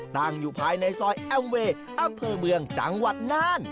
ตั้งอยู่ภายในซอยเอ้มเวอัพเพอร์เมืองจังหวัดนาน